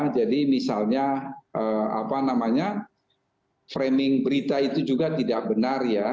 jadi misalnya framing berita itu juga tidak benar ya